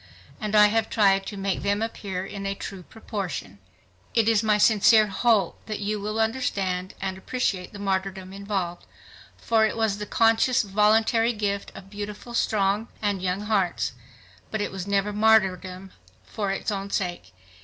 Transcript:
And I have tried to make them appear in a true proportion. It is my sincere hope that you will understand and appreciate the martyrdom involved, for it was the conscious voluntary gift of beautiful, strong and young hearts. But it was never martyrdom for its own sake.